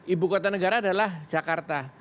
ibu kota negara adalah jakarta